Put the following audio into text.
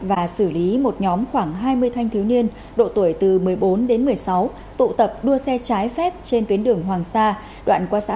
và xử lý một nhóm khoảng hai mươi thanh thiếu niên độ tuổi từ một mươi bốn đến một mươi sáu tụ tập đua xe trái phép trên tuyến đường hoàng sa